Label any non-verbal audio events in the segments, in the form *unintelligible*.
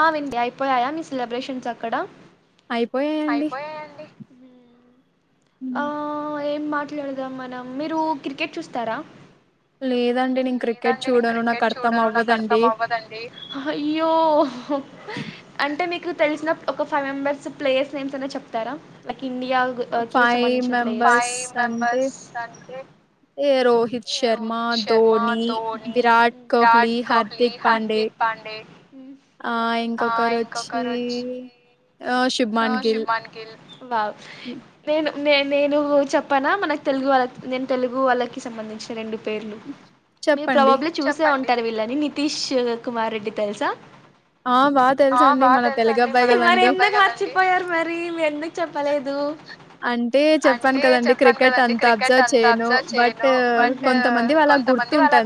ఆ విండి అయిపోయాయా మీ సెలబ్రేషన్స్ అక్కడ అయిపోయాయండి ఆ ఏం మాట్లాడదాం మనం మీరు క్రికెట్ చూస్తారా లే అయ్యో అంటే నిక్ క్ తెలిసిన ఒక ఫైవ్ మెంబర్స్ ప్లేయర్స్ నేమ్స్ అన్న చెప్తారా ఇండియా గ్ కి సంబంధించిన ప్లేయర్స్ ధోనీ, విరాట్ కోహ్లీ, హార్దిక్ పాండే ఏ ఆ ఇంకొకరు వచ్చి ఆ షూబ్మాన్ గిల్ బా్ నేను నే నేను చెప్పాన మనకు తెలుగు వాళ్ళ నేను తెలుగు వాళ్ళకి సంబంధించిన రెండు పేర్లు ప్రభబ్ చూస ఉంటారు వీళ్ళని నితీష్ కుమార్ రెడ్డి తెలుసా బాగా తెలుస అండిపోయ మకు చెప్పలేదు అంటే చెప్పాను కదండి క్రికెట్ అంత అబ్జర్వ్ చేయను బట్ కొంతమంది వాళ్ళ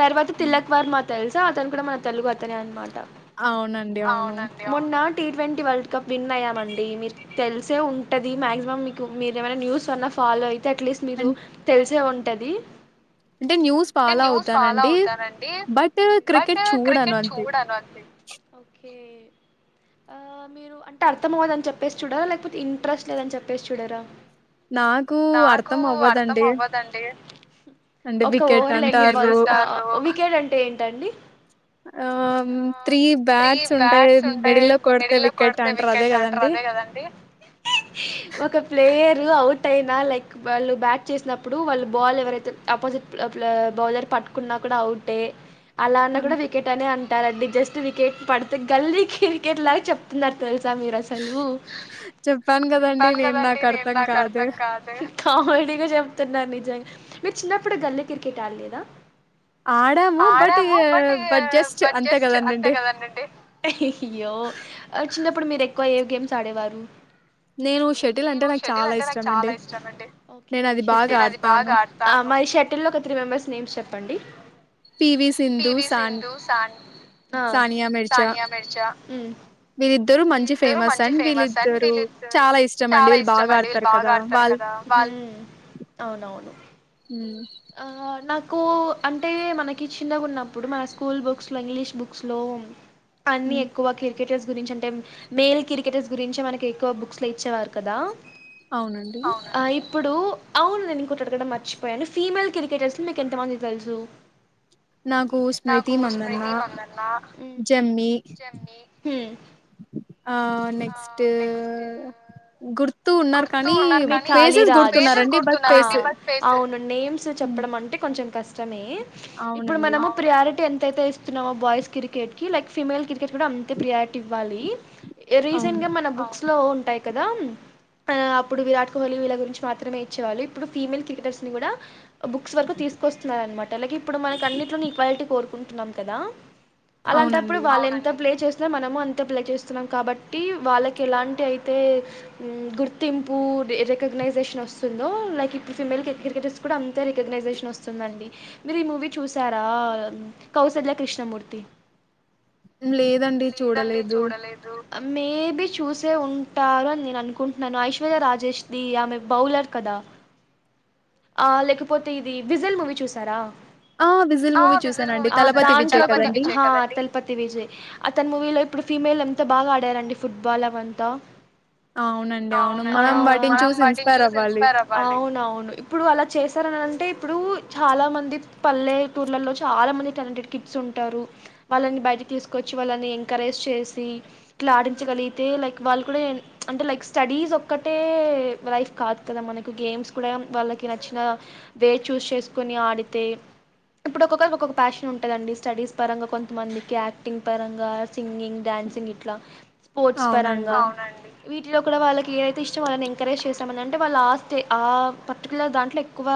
తర్వాత తిల్లక్ వారు మాం తెలుసా అతను కూడా మన తెలుగు అతనే అనమాట అవునండి మన్న టిట్ంటీ వల్డ్ పికప్ విన్ అయ్యామండి మీరు తెలిసే ఉంటుది మా్యాక్సిమం మీకు మీరు ఏమైనా న్యూస్ అన్నా ఫాలో అయి అట్లీస్ట్ మీరు తెలిసేం ఉంటది అంటే న్యూస్ బాలా అవుతానండి బట్ క్రికెట్ చూడాను అంతే ఓకే మీరు అంటే అర్థం అవ్వదుని చెప్పేసి చూడరా లేకపోతే ఇంట్రెస్ట్ లేదని చెప్పేసి చూడరా నాకు అర్థం అవ్వదండి ఓకెట్ అంటే ఏ త బట్ ఉ మెడి కొకెట్ అ అదే కద అట్ అయి లైక్ వాళ్ళు బ్యాట్ చేసినప్పుడు వాళ్ళు బాల్ ఎవరై ఆపోజిట్ బౌలర్ పట్టుకున్నా కూడా అవుటే అలా అన్న కూడా వికెట్ అనే అ డి జస్ట్ వికెట్ పడితే గల్లీ క్రికెట్ లాగా చెప్తున్నారు తెలుసు మీరు అసలు చెంటాను కదండి నేను నాకు అర్థం కాదు కామెడీగా చెప్తున్నా నిజంగా మీ చిన్నప్పుడ గల్ క్రికెట్ ఆళలేద ఆడాము బట్ బట్ జస్ట్ అంతే కదండండి అయ్యో చిన్న ప్పుడు మ మీరు ఎకువ ఏ గేమ్ సాడే బారు నేను షటిల్ అంటే నాకు చాలా ఇష్టం అండి నేను అది బాగా ఆడతాను మరి షెటిల్ లో ఒక త్రీ మెంబెర్స్ నేమ్స్ చెప్పండి పివి సింధు సానియా మిర్చా వీళ్ళిద్దరు మంచి ఫేమస్ అం వీళ్ళిద్దరు చాలా ఇష్టం అండి వీళ్ళు బాగా ఆడతారు కదా వాు అవునను హ నాకు అంటే మనకి చిన్నగా ఉన్నప్పుడు మన స్కూల్ బుక్స్లో ఇంగ్లీష్ బుక్స్లో అన్ని ఎక్కువకి క్రికెటర్స్ గురించి అంటే మేల్ క్రికెటర్స్ గురించి మనకి ఎక్కువ బుక్స్ లో ఇచ్చేవారు కదా ఆ ఇప్పుడు అవును నను ఇకోట అడుడ మర్చి పోయాను ఫీమమెల్ క్రికెటర్స్ మీకు ఎంతమంది తెలుసు నాకు స్మృతి మందన్న చెమ్మమి నెక్స్ట్ గుర్తు గుతు మీ ఖాళీ రాదు అవును నేమ్స్ చెప్పడం అంటే కొంచెం కష్టమే ఇప్పుడు మనము ప్రియారిటీ ఎంత అయితే ఇస్తున్నావా బాయ్స్ క్రికెట్ క లక్ ఫీమేల్ క అ ప్రి ఇవ మ బ రా కదా అప్పుడు విరాట్ కోహ్లీ వీళ్ళ గురించి మాత్రమే ఇచ్చేవాళ్ళు ఇప్పుడు ఫీమేల్ క్రికెటర్స్ ని కూడా బుక్స్ వరకు తీసుకొస్తున్నారు అనమాట అలాగే ఇప్పుడు మనకు అన్నిట్ని ఈక్వాలిటీ కోరుకుంటున్నాం కదా అలాంటప్పుడు వాళ్ళ ఎంత ప్లే చేస్త మనము అంతే పిలి చేస్తున్నాం కాబట్టి వాళ్ళకి ఎలాంటి అయితే గుర్ తెంపు రికగ్నైజేషన్ వస్తుందో లైక్ ఇప్పుడు ఫీమేల్ క్రికెటర్స్ కూడా అంతే రికగ్నైజేషన్ వస్తుందండి మీరు ఈ మూవీ చూసారా కౌసల్య కృష్ణమూర్తి లేదండి చూడలేదు మేబి చూసే ఉంటారు అని నేను అనుకుంటు నన్న ఐశ్వర్య రాజేష్ ది ఆమె బౌలర్ కదా లేకపోతే ఇది విజల్ మూవీ చూసారా విజా తలపతి విజయ్ అతని మూవీలో ఇప్పుడు ఫీమమెల్ ఎంత బాగా ఆడారండి ఫుట్బాల్ అవంతా అవున మన వాటిని చూసి ఇన్స్పైర్ అవ అవునవును ఇప్పుడు అలా చే సార్ అనంటే ఇప్పుడు చాలామంది పల్లెటూర్లలో చాలా మంది టాలెంటెడ్ కిడ్స్ ఉంటారు వాళ్ళని బయటకి తీసుకొచ్చి వాళ్ళని ఎంకరేజ్ చేసి ఇట్లా ఆడించగలిగితే లైక్ వాళ్ళు కూడా అంటే లైక్ స్టడీస్ ఒక్కటే లైఫ్ కాదు కదా మనకి గేమ్స్ కూడా వాళ్ళకి నచ్చిన వే చూస్్ చేసుకొని ఆడితే ఇప్పుడు ఒక్కొక్కరి ఒక్కొక్క ప్యాషన్ ఉంటుందండి స్టడీస్ పరంగా కొంతమందికి యాక్టింగ్ పరంగా సింగింగ్ డాన్సింగ్ ఇట్లా స్పోర్ట్స్ పరంగా ఉ వీటిలో కూడా వాళ్ళకి ఏదైతే ఇష్టో వాళ్ళని ఎంకరేజ్ చేస్తామనింటే వాళ్ళు ఆ స్ ఆ పర్టికులర్ దాంట్లో ఎక్కువ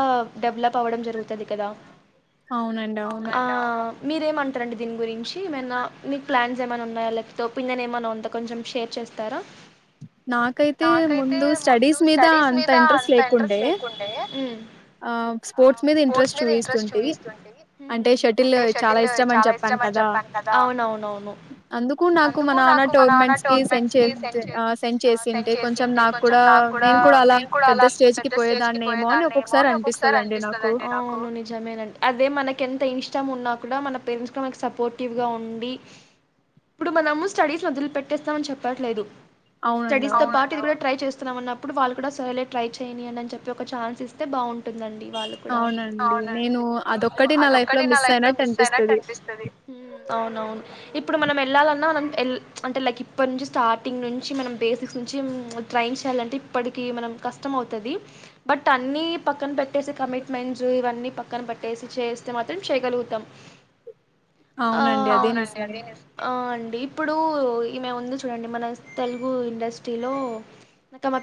డెవలప్ అవ్వడం జరుగుతుంది కదా అవునండి అవును మీరేమంటారండి దీని గురించి ఏమైనా మీకు ప్లాన్స్ ఏమైనా ఉన్నాయా లేకపోతే పిన్నని ఏమైన్నా ఉంతా కొంచెం షేర్ చేస్తారా నాకైతే ముందు స్టడీస్ మీద అంత ఇంట్రెస్ట్ లేకుండే స్పోర్ట్స్ మీద ఇంట్రెస్ట్ చూపిస్తుంది అంటే షటిల్ చాలా ఇష్టం అని చెప్పాను కదా అ అందుకు నాకు నాన్న టోర్మెంట్స్ సె సెండ్ చేసిండే కొంచెం నాకు కూడా నేను కూడా అలా పెద్ద స్టేజ్ కి పోయేదాన్ని మార్ ఒక్కొక్కసారి అనిపిస్తుందిండి నిజమే అండి అదే మ ఎంత ఇష్టం ఉన్నా కూడా మన పేరెంట్స్ మన సపోర్టివ్ గా ఉండి ఇప్పుడు మనము స్టడీస్ మొదలు పెట్టేస్తాంని చెప్పట్లేదు స్టడీస్ త పాార్ ఇది కూడా ట్రై చేస్త అన్నప్పుడు వాళ్ళు కూడా సరేలే ట్రై చేయని అని చెప్ప ఒక ఛాన్స్ ఇస్తే బాగుంటుంది అ మయిట్ అ ఇప్పుడు మన వె ఎల్ అంటే లైక్ ఇప్పటి నుంచి స్టార్టింగ్ నుంచి మనం బేసిక్స్ నుంచి టడ్రాయింగ్ చేయాలంటే ఇప్పటికి మనం కష్టం అవుతుంది బట్ అన్ని పక్కన పెట్టేసి కమిట్మెంట్స్ ఇవన్నీ పక్కన పెట్టేసి చేస్తే మాత్రం చేయగలుగుతాం ఆ అవునండి అ ఇప్పుడు ఈమె ఉంది చూడండి మన తెలుగు ఇండస్ట్రీలో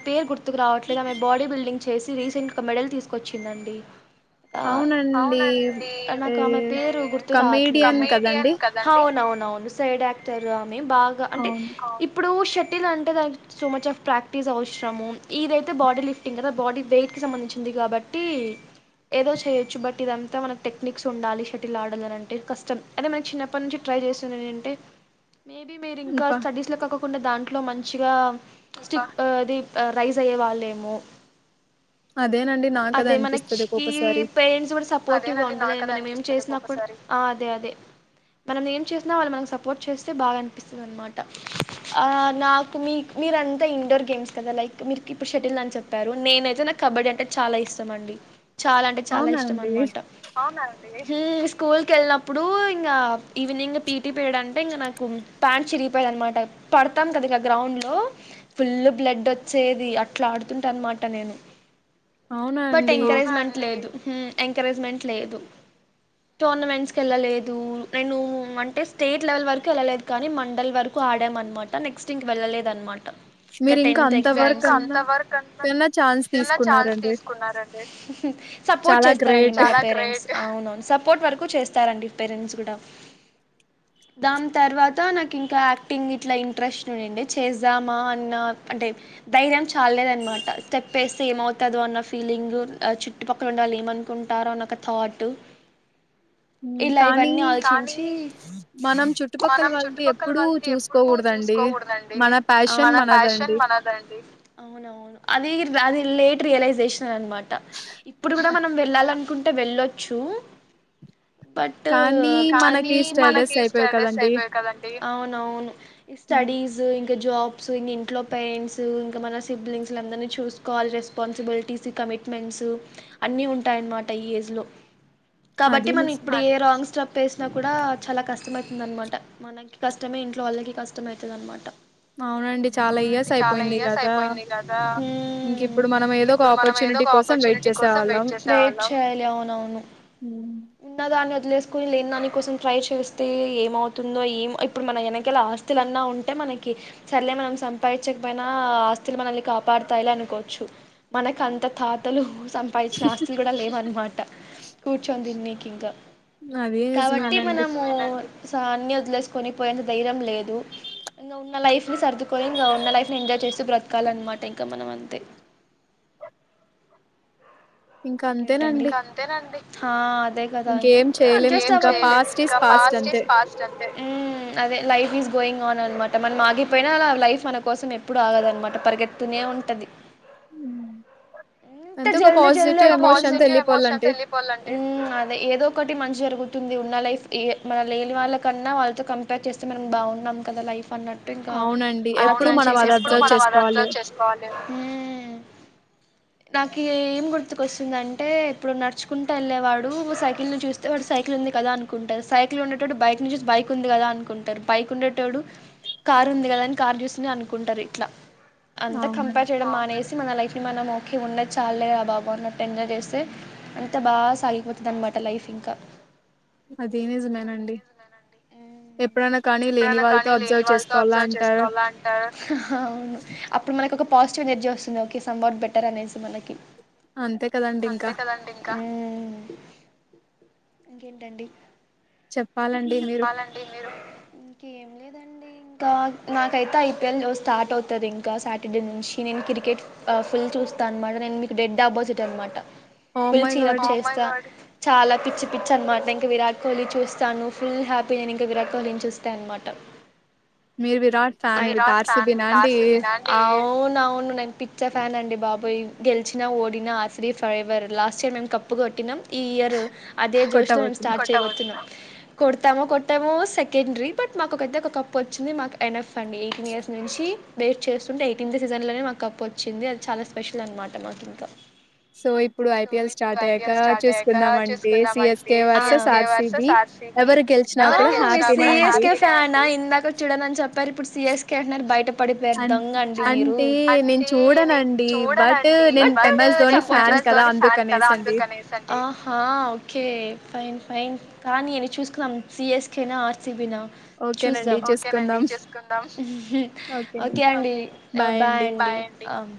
పేర్ గు రావట్లేదు బడ బల్డింగ్ చేసి రీసెంట్గా మెడల్ తీసుకొచ్చిందండి అవునండి నాకు ఆమె పేరు గుర్తు ఆట్ అవునవును వును సైడ్ ఆక్టర్ బాగా అంటే ఇప్పుడు షటిల్ అంటే దానికి సో మచ్ ఆఫ్ ప్రాక్టీస్ అవసరము ఇదైతే బాడీ లిఫ్టింగ్ కదా బాడీ వెయిట్కి సంబంధించింది కాబట్టి ఏదో చేయొచ్చు బట్ ఇదంతా మనకు టెక్నిక్స్ ఉండాలి షటిల్ ఆడాలని అంటే కష్టం అదే మనకి చిన్నప్పటి నుంచి ట్రై చేస్తుంది ఏంటంటే మేబీ మీరు ఇంకా స్టడీస్ లో క ఉన్న దాన్ ఇట్లో మంచిగా స్టిక్ అది రైస్ అయ్యే వాళ్ళేమో అదే మనకి పేరెంట్స్ కూడా సపోర్టివ్ అ మేేం చేసిన అదే అదే మనం ఏం చేసినా వాళ్ళు మనకి సపోర్ట్ చేస్తే బాగా అనిపిస్తుంది అనమాట నాకు మీ మీరంతా ఇండోర్ గేమ్స్ కదా లైక్ మీకి ఇప్పుడు షటిల్ అని చెప్పారు నేనైతే నాకు కబడ్డీ అంటే చాలా ఇష్టం అండి చాలా అంటే చాలా ఇష్టం అనమాట అవునా స్కూల్ క వెళ్ళినప్పుడు ఇంకా ఈవినింగ్ పీటీ పీరియడ్ అంటే ఇంక నాకు ప్యాంట్ చిరిగిపోయది అనమాట పడు కదక గ్రౌండ్ లో ఫుల్ బ్లడ్ వచ్చేది అట్లా ఆడుతుంటా అన్నమాట నేను బట్ ఎంకరేజ్మెంట్ లేదు ఎంకరేజ్మెంట్ లేదు టోర్నమెంట్స్కి వెళ్ళలేదు నేను అంటే స్టేట్ లెవెల్ వరకు వెళ్ళలేదు కానీ మండలి వరకు ఆడామ అన్నమాట అ నెస్ట్ ఇంక వెళ్ళలేదనమాట ఇ ఎాన్ తీకు సపోర్ట్ చేస్తారండి అవునవును సపోర్ట్ వరకు చేస్తారంండి పేరెంట్స్ కూడా దాని తర్వాత నాకు ఇంకా యాక్టింగ్ ఇట్లా ఇ ప్ర్రస్ండి చేద్దామా అన్న అంటే ధైర్యం చాలలేదనమాట స్టెప్ వే సేమ్ అవుతా అన్న ఫీలింగ్ చుట్టుపక్కల ఉండాలి ఏమనుకుంటారు అన్న ఒక థాట్ కానీ మనం చుట్టుపక్కల వాళ్ళది ఎప్పుడూ చూసుకోకూడదండి కోవుడ దండి మానా ప్యాషన్ మనదండి ఆది లేట్ రయలైజేషన్ అనమాట ఇప్పుడు కూడా మనం వెళ్ళాలన కుంటా వెళ్ళొచ్చు బట్ కానీ మనకి స్టడీస్ అయిపోయా కదండీ అవునవును స్టడీస్ ఇంకా జాబ్స్ ఇంగ్ ఇంట్లో పేరెంట్స్ ఇంకా మన సిబ్లింగ్స్ అందరినీ చూసుకోవాలి రెస్పాన్సిబిలిటీస్ కమిట్మెంట్స్ అన్ని ఉంటాయనమాట ఈ ఏజ్ లో కాబట్టి మనం ఇప్పుడు ఏ రాంగ్ స్టెప్ వేసినా కూడా చాలా కష్టమే అవుతుంది అనమాట కష్టమే ఇంట్లో వాళ్ళకి కష్టం కస్తమయితది అనమాట అవునండి చాలా ఇయర్స్ అయిపోయింది కదా ఇప్పుడు మనం ఏదో ఒక ఆపర్చునిటీ కోసం వెయిట్ చేసేవాళ్ళం వదిలేస్కుని లేని దాని కోసం ట్రై చేస్తే ఏమవుతుందో ఏం ఇప్పుడు మన ఎనకే ఆస్తులు అన్నా ఉంటే మనకి సరలే మనం అస్తులన్న ఉంటే మనకీ సర్లే మనం సంపాదించకపోయినా ఆస్తులు మనల్ని కాపాడతాయిలే అనుకోవచ్చు మనక్ అంత తాతలు సంపాదించిన ఆస్తులు గూడా లేవనమాట కూర్చొని తిన్నికి ఇంకా కాబట్టి మనమూ సాన్ని వదిలేసుకొని పోయంత ధైర్యం లేదు ఇంకా ఉన్న లైఫ్ ని సర్దుకొని ఇంకా ఉన్న లైఫ్ ని ఎంజాయ్ చేసి బ్రతకాలన్నమాట ఇంకా మనం అంతే కేంటండి అంతేనండి హా అంతే కదా ఇంకా వెయిట్ చేయలేం ఇంకా పాస్ట్ ఇస్ పాస్ట్ అంతే అనమాట మనం ఆగిపోయినా అలా లైఫ్ మన కోసం ఎప్పుడు ఆగదనమాట పరిగెత్తుతూనే ఉంటది అంతే ఒక పాజిటివ్ ఎమోషన్ పాజిటివ్ ఎమోషన్తో ఎళ్లిపోవాలండి హుమ్ అదే ఏదో ఒకటి మంచి జరుగుతుంది ఉన్న లైఫ్ ఇఏ మన లేని వాళ్ళకన్నా వాళ్ళతో కంపేర్ చేస్తే మనం బాగున్నాం కదా లైఫ్ అన్నట్టు ఇంకా అలా థింగ్ చేసుకోవాలి నాకీ ఏం గుర్తు కొస్తుంది అంటే ఎప్పుడు నడుకుంటా ఎళ్ళేవాడు సైకిల్ని చూస్తే వాడు సైకిల్ ఉంది కదా అనుకుంటారు సైకిల్ ఉండేటోడు బైక్ని చూసి బైక్ ఉంది కదా అనుకుంటారు బైక్ ఉండేటోడు కార్ ఉంది కదా అని కార్ చూసి అనుకుంటారు ఇట్లా అంతా కంప్యార్ చేరడం మానేసి మన లైఫ్ ని మనం ఓే ఉండది చాలే బాన్నది ఎంజాయ్ చేస్తే అంత బాగా సాగిపోతుంది అనమాట లైఫ్ ఇంకా అదనేదుగాలండి ఎప్పుడైనా కానీ లేని వాళ్ళతో అబ్జర్వ్ చేసుకోవాలా అంటారు అప్పుడు మనకి ఒక పాజిటివ్ ఎనర్జీ వస్తుంది ఓకే సంబట్ బెటర్ అనేసి మనకి అంతే కదండి ఇంకా ఇంకేంటండి చెప్పాలండి మీరు ఇంకేం లేదు ఇంకా నాకైతే ఐపీఎల్ స్టార్ట్ అవుతుంది ఇంకా సాటర్డే నుంచి నేను క్రికెట్ ఫుల్ చూస్తాను అనమాట నేను మీకు డెడ్ అబోజిట్ అనమాట ఫుల్ చీరప్ చేస్తా చాలా పిచ్చి పిచ్చి అనమాట ఇంకా విరాట్ కోహ్లీ చూస్తాను ఫుల్ హ్యాపీ నేను ఇంకా విరాట్ కోహ్లీని చూస్తే అనమాట మీరు విరాట్ ఫ్యాన్ విత్ ఆర్సిబిన అండి నా అవును నేను పిచ్చా ఫ్యాన్ అండి బాబోయ్ గెలిచినా ఓడిన ఆస్రీత్ ఫరెవర్ లాస్ట్ ఇయర్ మేము కప్పు కొట్టినాం ఈ ఇయర్ అదే జోష్ లో మేం స్టార్ట్ చేయబోతున్నాం కొడతామో కొట్టామో సెకండరీ బట్ మాకుకైతే ఒక కప్పు వచ్చింది. మాకు ఎన్ఎఫ్ అండి ఎయిటీన్ ఇయర్స్ నుంచి వెయిట్ చేస్తుంటే, ఎయిటీన్త్ సీజన్లోనే మాకు కప్పు వచ్చింది అది చాలా స్పెషల్ అనమాట మాకు ఇంకా. సో ఇప్పుడు ఐపిఎల్ స్టార్ట్ అయ్యాక చూసుకుందామ అంటే సిఎస్కె వర్సస్ ఆర్సిబి ఆ మీరు సీఎస్కే ఫ్యాన ఇందాక చూడమని చొప్ అప్పర్ ఇప్పుడు సిఎస్కే అంటున్నారు బయట పడిపో దొంగా అండి మీరు ఆహా *unintelligible* ఫైన్ కానీ ఎన్ని చూసు కమ్ సిఎస్కెన ఆర్ ఆర్ సి బి నా చూద్దాం ఓకే అండి బాయ్ అం